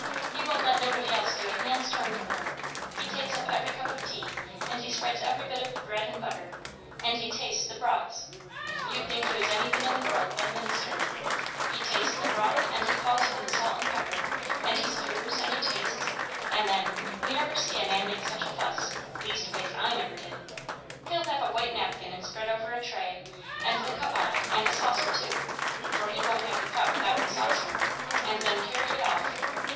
He won't let nobody else do a hand's turn for her. He takes up every cup of tea, and he spreads every bit of bread and butter; and he tastes the broths; you'd think he was anythin' in the world but a minister; he tastes the broth, and he calls for the salt and pepper, and he stirs and he tastes; and then you never see a man make such a fuss, leastways I never did he'll have a white napkin and spread over a tray, and the cup on it, and saucer too, for he won't have the cup 'thout the saucer, and then carry it off.